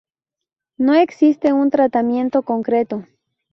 No existe un tratamiento concreto.